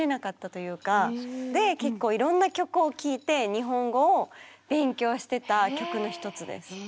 で結構いろんな曲を聴いて日本語を勉強してた曲の一つです。